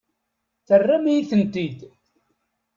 Terram-iyi-ten-id.